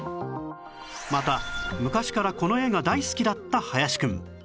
また昔からこの絵が大好きだった林くん